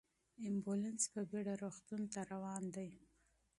امبولانس په بیړه روغتون ته روان دی.